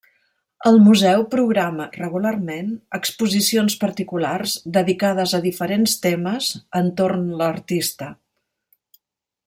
El museu programa, regularment, exposicions particulars dedicades a diferents temes entorn l'artista.